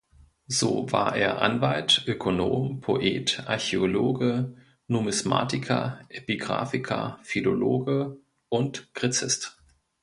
So war er Anwalt, Ökonom, Poet, Archäologe, Numismatiker, Epigraphiker, Philologe und Gräzist.